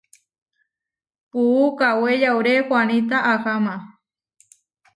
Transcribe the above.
Puú kawé yauré huaníta aháma.